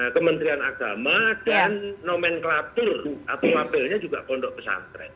kementerian agama dan nomenklatur atau labelnya juga pondok pesantren